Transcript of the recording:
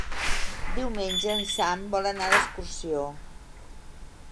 Diumenge en Sam vol anar d'excursió.